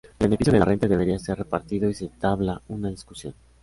El beneficio de la renta debería ser repartido y se entabla una discusión.